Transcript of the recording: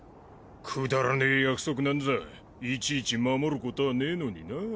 くだらねえ約束なんざいちいち守るこたぁねえのにな。